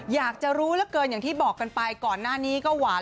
อยากจะรู้เหลือเกินอย่างที่บอกกันไปก่อนหน้านี้ก็หวาน